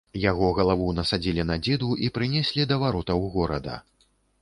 Яго галаву насадзілі на дзіду і прынеслі да варотаў горада.